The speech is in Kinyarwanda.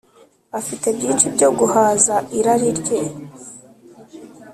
Afite byinshi byo guhaza irari rye